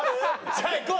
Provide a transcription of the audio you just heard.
じゃあいこう。